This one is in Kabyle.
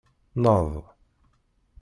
Nneḍ.